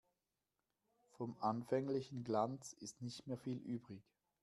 Vom anfänglichen Glanz ist nicht mehr viel übrig.